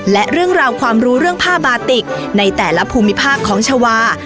และเรื่องราวความรู้เรื่องผ้าบาติกในแต่ละภูมิภาคของชาวา